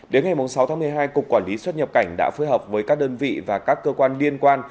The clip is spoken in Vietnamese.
đến ngày sáu tháng một mươi hai cục quản lý xuất nhập cảnh đã phối hợp với các đơn vị và các cơ quan liên quan